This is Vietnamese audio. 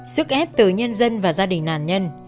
sức ép từ nhân dân và gia đình nạn nhân